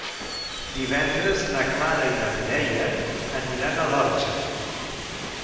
Divendres na Clara i na Mireia aniran a l'Orxa.